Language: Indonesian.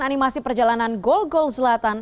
animasi perjalanan gol gol selatan